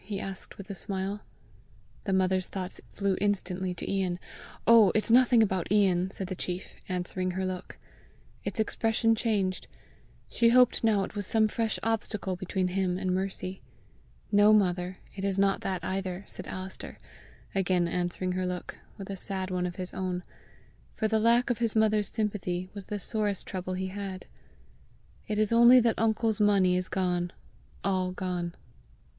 he asked with a smile. The mother's thoughts flew instantly to Ian. "Oh, it's nothing about Ian!" said the chief, answering her look. Its expression changed; she hoped now it was some fresh obstacle between him and Mercy. "No, mother, it is not that either!" said Alister, again answering her look with a sad one of his own, for the lack of his mother's sympathy was the sorest trouble he had. "It is only that uncle's money is gone all gone."